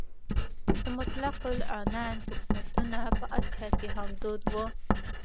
د مطلق العنان حکومتونه په اسیا کې هم دود وو.